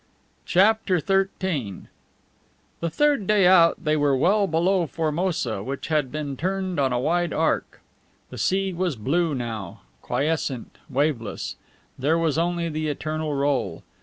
CHAPTER XIII The third day out they were well below Formosa, which had been turned on a wide arc. The sea was blue now, quiescent, waveless; there was only the eternal roll.